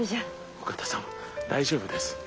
お方様大丈夫です。